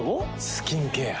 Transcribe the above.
スキンケア。